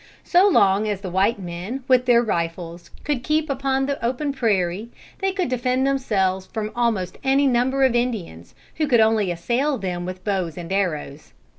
So long as the white men, with their rifles, could keep upon the open prairie, they could defend themselves from almost any number of Indians, who could only assail them with bows and arrows.